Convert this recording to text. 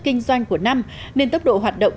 kinh doanh của năm nên tốc độ hoạt động